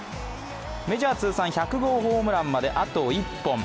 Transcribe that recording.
メジャー通算１００号ホームランまであと１本。